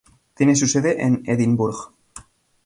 Tiene su sede en Edinburg.